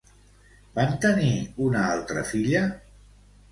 Van tenir una altra filla?